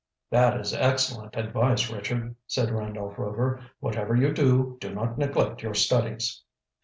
"That is excellent advice, Richard," said Randolph Rover. "Whatever you do, do not neglect your studies."